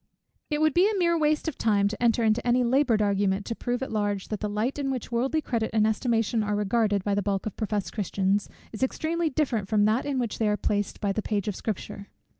It would be mere waste of time to enter into any laboured argument to prove at large, that the light in which worldly credit and estimation are regarded, by the bulk of professed Christians, is extremely different from that in which they are placed by the page of Scripture.